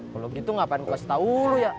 kalau gitu ngapain gue kasih tau lo ya